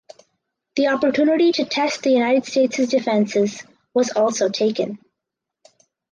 The opportunity to test the United States defences was also taken.